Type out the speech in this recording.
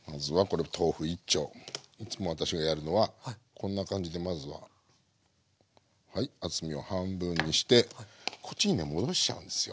こんな感じでまずははい厚みを半分にしてこっちにね戻しちゃうんですよ。